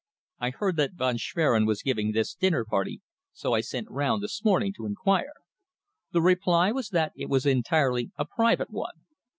I heard that Von Schwerin was giving this dinner party, so I sent round this morning to inquire. The reply was that it was entirely a private one.